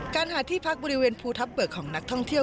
หาที่พักบริเวณภูทับเบิกของนักท่องเที่ยว